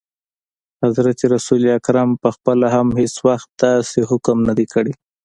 حضرت رسول اکرم ص پخپله هم هیڅ وخت داسي حکم نه دی کړی.